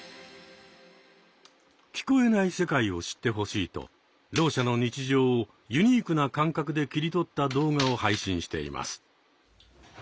聞こえない世界を知ってほしいとろう者の日常をユニークな感覚で切り取った動画を配信しています。